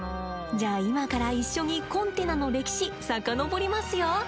じゃあ今から一緒にコンテナの歴史さかのぼりますよ！